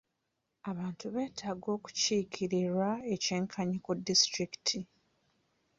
Abantu betaaga okukiikirirwa eky'enkanyi ku disiturikiti .